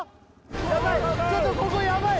やばいちょっとここやばい